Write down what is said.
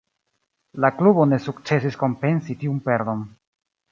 La klubo ne sukcesis kompensi tiun perdon.